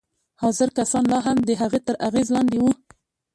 حاضر کسان لا هم د هغه تر اغېز لاندې وو